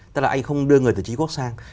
tức là anh không đưa người từ chính quốc sang